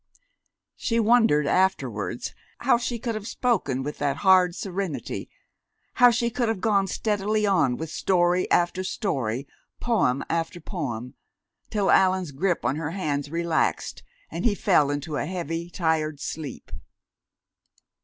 She wondered afterwards how she could have spoken with that hard serenity, how she could have gone steadily on with story after story, poem after poem, till Allan's grip on her hands relaxed, and he fell into a heavy, tired sleep.